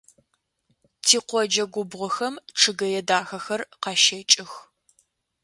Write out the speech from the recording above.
Тикъоджэ губгъохэм чъыгэе дахэхэр къащэкӏых.